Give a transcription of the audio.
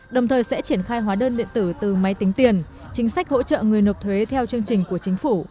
đồng thời sẽ triển khai hóa đơn điện tử từ máy tính tiền chính sách hỗ trợ người nộp thuế theo chương trình của chính phủ